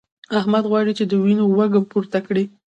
احمد غواړي چې د وينو وږم پورته کړي.